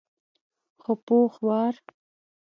خو پوخ وار.